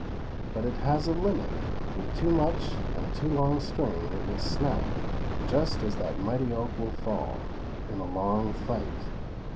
But it has a limit!! With too much and too long strain, it will snap; just as that mighty oak will fall, in a long fight.